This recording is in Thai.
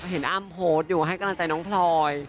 อ้ำโพสต์อยู่ให้กำลังใจน้องพลอย